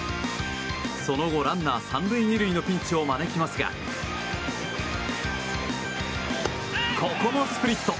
その後、ランナー３塁２塁のピンチを招きますがここもスプリット。